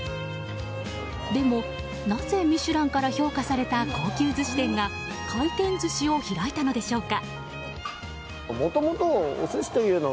でもなぜミシュランから評価された高級寿司店が回転寿司を開いたのでしょうか。